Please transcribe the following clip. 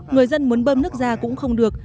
người dân muốn bơm nước ra cũng không được